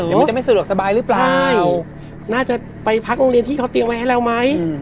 เดี๋ยวมันจะไม่สะดวกสบายหรือเปล่าน่าจะไปพักโรงเรียนที่เขาเตรียมไว้ให้แล้วไหม